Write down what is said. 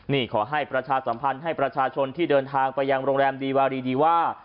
นี่ขอให้ประชาสัมพันธ์ให้ประชาชนที่เดินทางไปยังโรงแรมดีวารีดีว่า